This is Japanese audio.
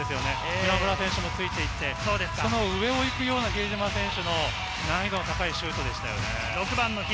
今村選手ついていった、その上を行くような比江島選手の難易度の高いシュートでしたね。